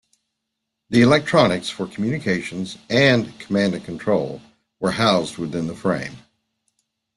The electronics for communications and command and control were housed within the frame.